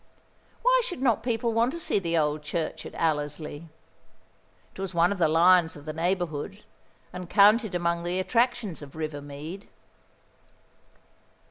Why should not people want to see the old church at Allersley? It was one of the lions of the neighbourhood, and counted among the attractions of River Mead.